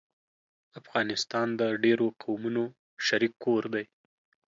افغانستان د ډېرو قومونو شريک کور دی